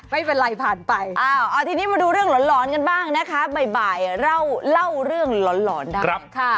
ไม่เป็นไรผ่านไปทีนี้มาดูเรื่องหลอนกันบ้างนะคะบ่ายเล่าเรื่องหลอนได้